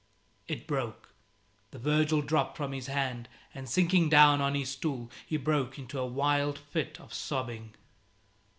It broke, the Virgil dropped from his hand, and sinking down on his stool he broke into a wild fit of sobbing.